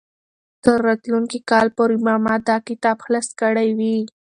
تر راتلونکي کال پورې به ما دا کتاب خلاص کړی وي.